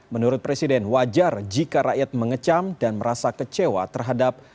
menurut presiden wajar jika rakyat mengecam dan merasa kecewa terhadap